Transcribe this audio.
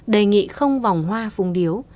đề nghị không vòng hoa phung điếu